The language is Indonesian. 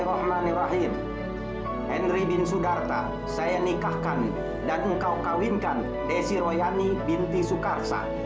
nama nama nirahid henry bin sudarta saya nikahkan dan engkau kawinkan desir royani binti sukarsa